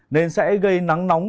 nên sẽ gây nắng nóng